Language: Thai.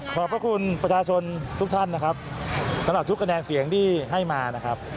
ขอบพระคุณประชาชนทุกท่านนะครับสำหรับทุกคะแนนเสียงที่ให้มานะครับ